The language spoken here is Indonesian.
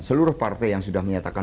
seluruh partai yang sudah menyatakan